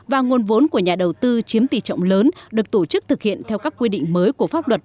và nguồn vốn của nhà đầu tư chiếm tỷ trọng lớn được tổ chức thực hiện theo các quy định mới của pháp luật